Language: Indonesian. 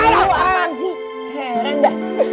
lu apaan sih heran dah